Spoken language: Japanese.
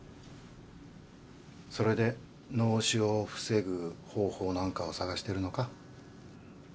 それで脳死を防ぐ方法なんかを探してるのか？